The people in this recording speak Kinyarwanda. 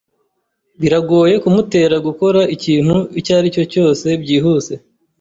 Biragoye kumutera gukora ikintu icyo aricyo cyose byihuse. )